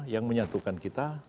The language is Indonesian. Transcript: yang menyatukan kita